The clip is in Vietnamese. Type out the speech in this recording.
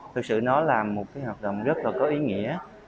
thực sự nó là một cái hoạt động rất là có ý nghĩa